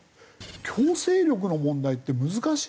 強制力の問題って難しいですよね。